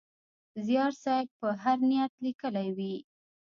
زیار صېب په هر نیت لیکلی وي.